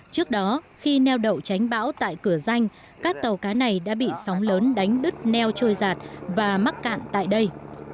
trước đó khi neo đậu tránh bão tại cửa danh các tàu cá này đã bị sóng lớn đánh đứt neo trôi giạt và mắc cạn tại đây